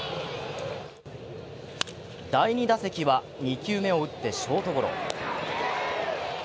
第２打席は２球目を打ってショートゴロ。